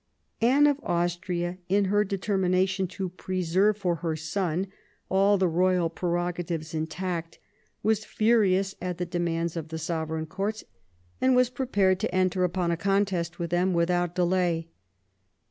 Anne of Austria, in her determination to preserve for her son all the royal prerogatives intact, was furious at the demands of the Sovereign Courts, and was prepared to enter upon a contest with them without delay.